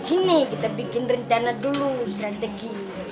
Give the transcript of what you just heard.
ini kita bikin rencana dulu strategi